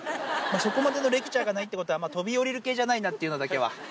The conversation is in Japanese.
そこまでのレクチャーがないってことは、飛び降りる系じゃないなっていうのだけは。